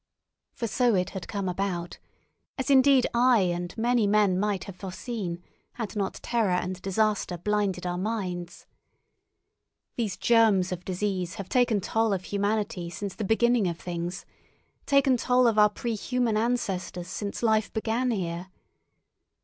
For so it had come about, as indeed I and many men might have foreseen had not terror and disaster blinded our minds. These germs of disease have taken toll of humanity since the beginning of things—taken toll of our prehuman ancestors since life began here.